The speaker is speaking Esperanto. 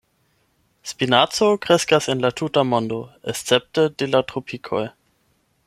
Spinaco kreskas en la tuta mondo escepte de la tropikoj.